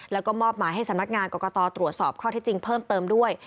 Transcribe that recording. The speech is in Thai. แล้วก็มอบหมายให้สำนักงานกรกตตรวจสอบข้อที่จริงเพิ่มเติมด้วย